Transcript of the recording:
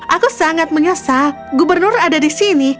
aku sangat menyesal gubernur ada di sini